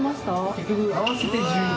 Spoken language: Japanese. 結局合わせて１２。